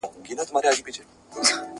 پکښي بندي یې سوې پښې او وزرونه !.